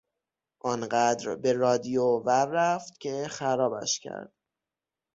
آنقدر به رادیو ور رفت که خرابش کرد.